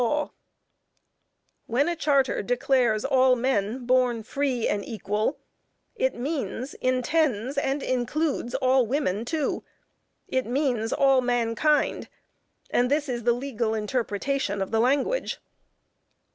_ When a Charter declares "all men born free and equal," it means, intends, and includes all women, too; it means all mankind, and this is the legal interpretation of the language.